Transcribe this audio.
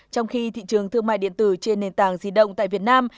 trong khi thị trường thương mại điện tử trên nền tảng di động tại việt nam